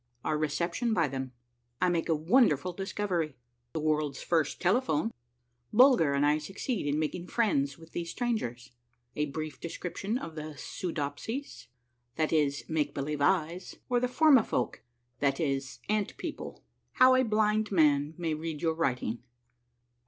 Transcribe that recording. — OUR RECEPTION BY THEM. — I MAKE A WONDERFUL DISCOVERY. — THE WORLD'S FIRST TELEPHONE. — BULGER AND I SUCCEED IN MAKING FRIENDS WITH THESE STRANGERS. — A BRIEF DESCRIPTION OF THE SOODOPSIES, THAT IS, MAKE BELIEVE EYES, OR THE FORMIFOLK, THAT IS, ANT PEOPLE. — HOW A BLIND MAN MAY READ YOUR WRITING.